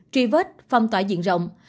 truy vết phong tỏa diện rộng